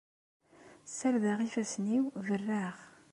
Ssardeɣ ifassen-iw, berraɣ.